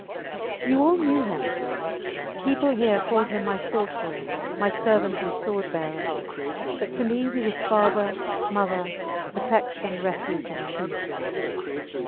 You all knew him. People here called him my sorcerer, my servant and sword bearer; but to me he was father, mother, protection, refuge and peace.